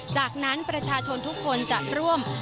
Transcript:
จากนั้นประชาชนทุกคนจะร่วม